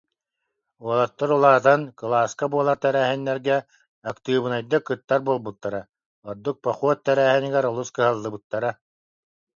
Уолаттар улаатан, кылааска буолар тэрээһиннэргэ актыыбынайдык кыттар буолбуттара, ордук похуот тэрээһинигэр олус кыһаллыбыттара